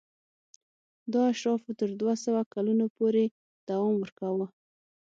دا اشرافو تر دوه سوه کلونو پورې دوام ورکاوه.